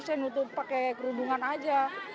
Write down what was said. saya nutup pakai kerudungan aja